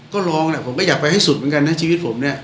ก็ลองแหละผมก็อยากไปให้สุดเหมือนกันนะชีวิตผมเนี่ย